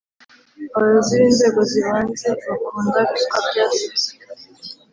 Abayobozi binzego zibanze bakunda ruswa byasaze